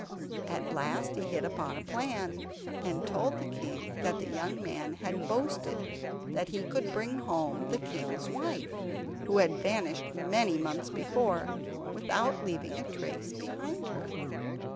At last he hit upon a plan, and told the king that the young man had boasted that he could bring home the king's wife, who had vanished many months before, without leaving a trace behind her.